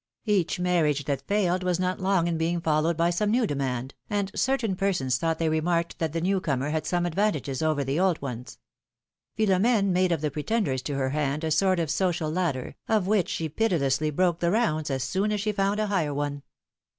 Each marriage that failed was not long in being followed by some new demand, and certain persons thought they re marked that the new comer had some advantages over the old ones. Philom^ne made of the pretenders to her hand a sort of social ladder, of which she pitilessly broke the rounds as soon as she found a higher one.